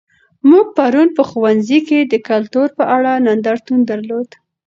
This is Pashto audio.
موږ پرون په ښوونځي کې د کلتور په اړه نندارتون درلود.